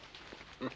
うん。